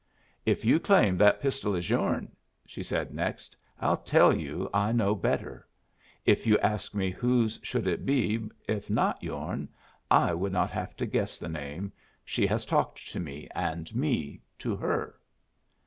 "If you claim that pistol is yourn," she said next, "I'll tell you I know better. If you ask me whose should it be if not yourn, I would not have to guess the name. She has talked to me, and me to her."